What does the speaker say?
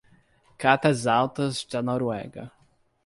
Catas Altas da Noruega